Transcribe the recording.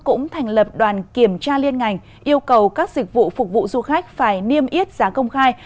cũng thành lập đoàn kiểm tra liên ngành yêu cầu các dịch vụ phục vụ du khách phải niêm yết giá công khai